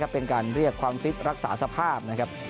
เป็นการเรียบความติดรักษาสภาพ